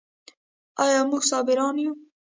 آیا موږ صابران یو؟